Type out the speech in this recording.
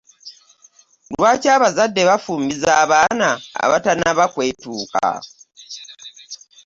Lwaki abazade bafumbiza abaana abatanaba kwetuuka.